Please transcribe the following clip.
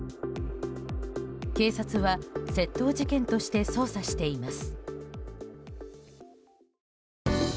警察は窃盗事件として捜査しています。